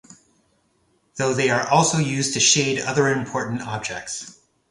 Though they are also used to shade other important objects.